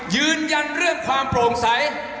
ยืนยันเรื่องความโปร่งใส